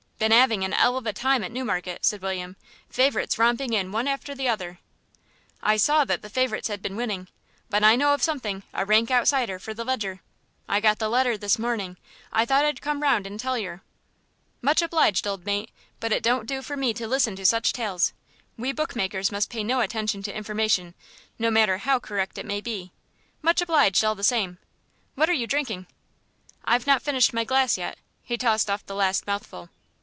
"Been 'aving an 'ell of a time at Newmarket," said William; "favourites romping in one after the other." "I saw that the favourites had been winning. But I know of something, a rank outsider, for the Leger. I got the letter this morning. I thought I'd come round and tell yer." "Much obliged, old mate, but it don't do for me to listen to such tales; we bookmakers must pay no attention to information, no matter how correct it may be.... Much obliged all the same. What are you drinking?" "I've not finished my glass yet." He tossed off the last mouthful.